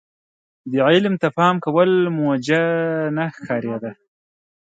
دې علم ته پام کول موجه نه ښکارېده.